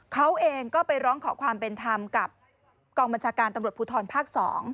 เขาเองก็ไปร้องขอความเป็นธรรมกับกองบัญชาการตำรวจภูทรภาค๒